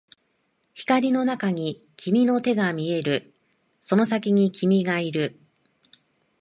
光の中に君の手が見える、その先に君がいる